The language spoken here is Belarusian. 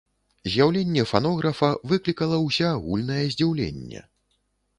З'яўленне фанографа выклікала ўсеагульнае здзіўленне.